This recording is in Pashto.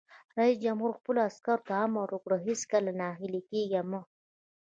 رئیس جمهور خپلو عسکرو ته امر وکړ؛ هیڅکله ناهیلي کیږئ مه!